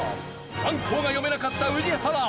琵琶魚が読めなかった宇治原。